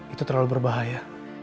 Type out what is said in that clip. itu terlalu berbahaya